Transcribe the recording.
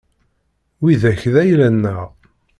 Widak d ayla-nneɣ.